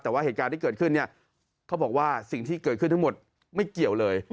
แต่ว่าเหตุการณ์ที่เกิดขึ้นเนี่ยเขาบอกว่าสิ่งที่เกิดขึ้นทั้งหมดไม่เกี่ยวเลย